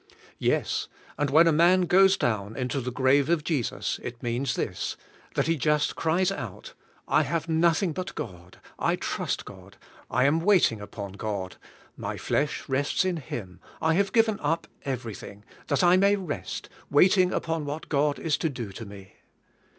Yes, and when a man goes down into the grave of Jesus, it means this: that he just cries out, ''I have nothing but God, I trust God; I am waiting upon God; my flesh rests in Him; I have given up everj^hing, that I may rest, waiting upon what God is to do to me."